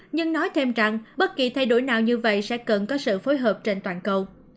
nhưng nói thêm rằng bất kỳ thay đổi nào như vậy sẽ cần có sự phối hợp trên toàn cầu